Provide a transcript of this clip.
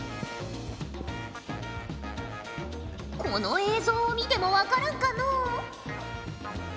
この映像を見ても分からんかのう？